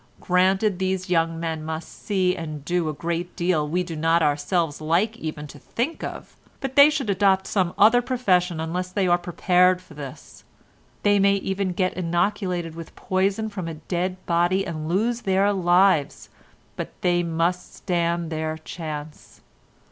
Granted these young men must see and do a great deal we do not ourselves like even to think of, but they should adopt some other profession unless they are prepared for this; they may even get inoculated with poison from a dead body and lose their lives, but they must stand their chance.